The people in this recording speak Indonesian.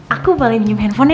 aku balik nyempen handphonenya